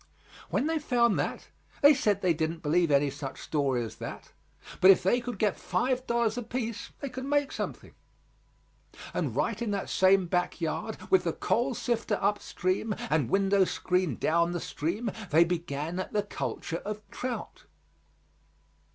When they found that, they said they didn't believe any such story as that, but if they could get five dollars apiece they could make something. And right in that same back yard with the coal sifter up stream and window screen down the stream, they began the culture of trout.